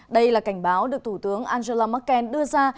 đây là cảnh báo được thủ tướng angela merkel đưa ra